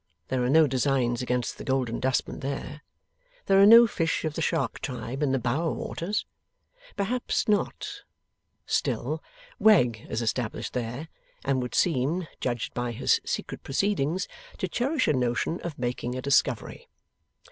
There are no designs against the Golden Dustman there? There are no fish of the shark tribe in the Bower waters? Perhaps not. Still, Wegg is established there, and would seem, judged by his secret proceedings, to cherish a notion of making a discovery.